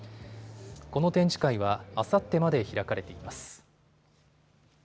この展示会はあさってまで開かれています。